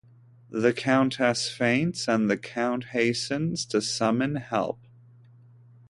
The Countess faints, and the Count hastens to summon help.